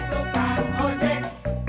be tukang bojek